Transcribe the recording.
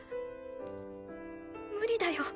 無理だよ。